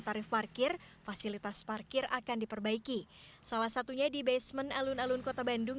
tarif parkir fasilitas parkir akan diperbaiki salah satunya di basement alun alun kota bandung